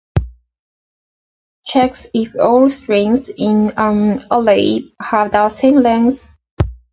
Checks if all strings in an array have the same length.